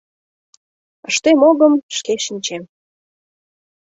Ыштем-огым — шке шинчем...